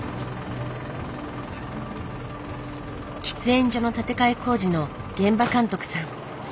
喫煙所の建て替え工事の現場監督さん。